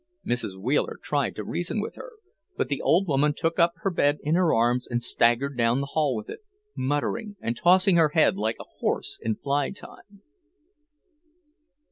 Mrs. Wheeler tried to reason with her, but the old woman took up her bed in her arms and staggered down the hall with it, muttering and tossing her head like a horse in fly time.